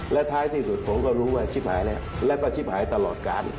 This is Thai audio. แล้วท้ายที่สุดผมหลุมชิบหายและก็ชิบหายตลอดการ